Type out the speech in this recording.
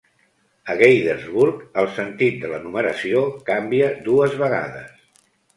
A Gaithersburg, el sentit de la numeració canvia dues vegades.